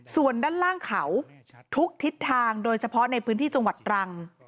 ส่วนด้านล่างเขาทุกทิศทางโดยเฉพาะในพื้นที่จังหวัดตรัง